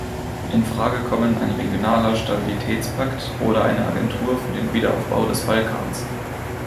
In Frage kommen ein regionaler Stabilitätspakt oder eine Agentur für den Wiederaufbau des Balkans.